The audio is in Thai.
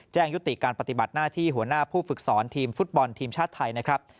ยุติการปฏิบัติหน้าที่หัวหน้าผู้ฝึกสอนทีมฟุตบอลทีมชาติไทยนะครับ